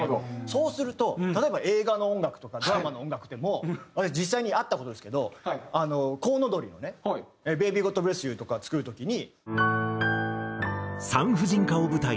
そうすると例えば映画の音楽とかドラマの音楽でも実際にあった事ですけど『コウノドリ』のね『Ｂａｂｙ，ＧｏｄＢｌｅｓｓＹｏｕ』とか作る時に。